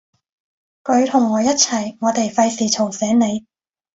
佢同我一齊，我哋費事嘈醒你